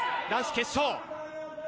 男子決勝。